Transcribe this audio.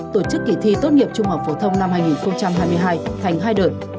tổ chức kỳ thi tốt nghiệp trung học phổ thông năm hai nghìn hai mươi hai thành hai đợt